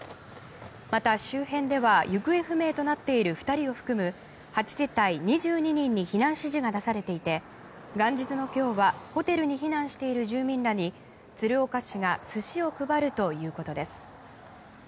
また、周辺では行方不明となっている２人を含む８世帯２２人に避難指示が出されていて元日の今日はホテルに避難している住民らに鶴岡市が寿司を配るということです。